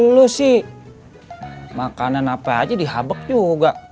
dulu sih makanan apa aja dihabek juga